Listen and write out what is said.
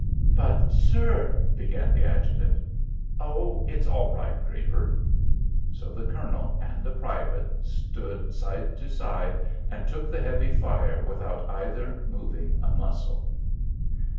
"But, sir " began the adjutant. "Oh, it's all right, Draper." So the colonel and the private stood side to side and took the heavy fire without either moving a muscle.